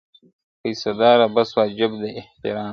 پیسه داره بس واجب د احترام دي،